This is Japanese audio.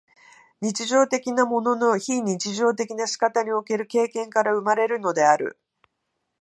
日常的なものの非日常的な仕方における経験から生まれるのである。